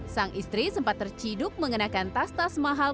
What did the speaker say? sang istri sempat terciduk mengenakan tas tas mahal